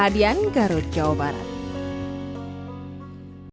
membangun rumah bak istana